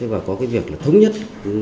và có cái việc là thống nhất